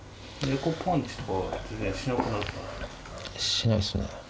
しないですね。